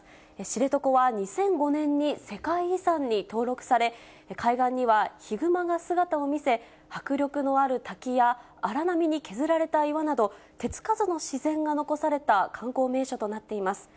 知床は２００５年に世界遺産に登録され、海岸にはヒグマが姿を見せ、迫力のある滝や、荒波に削られた岩など、手付かずの自然が残された観光名所となっています。